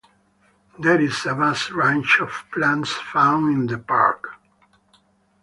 There is a vast range of plants found in the park.